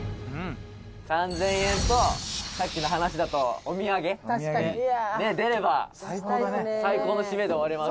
「３０００円とさっきの話だとお土産出れば最高の締めで終われます」